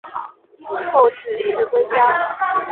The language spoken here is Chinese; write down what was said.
后致仕归家。